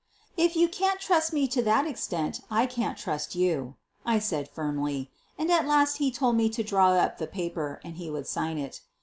"If you can't trust me to that extent I can't trust you, '' I said firmly — and at last he told me to draw up the paper and he would sign it.